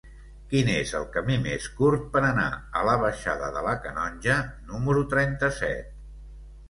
Quin és el camí més curt per anar a la baixada de la Canonja número trenta-set?